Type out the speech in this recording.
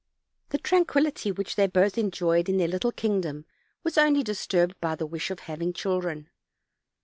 The tranquillity which they both enjoyed in their little kingdom was only disturbed by the wish of having chil dren.